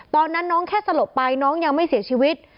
ตอนนั้นน้องแค่สลบไปน้องยังไม่เสียชีวิต